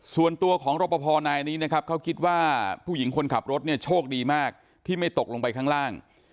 ส่วนตัวของรปภนายนี้นะครับเขาคิดว่าผู้หญิงคนขับรถเนี่ยโชคดีมากที่ไม่ตกลงไปข้างล่าง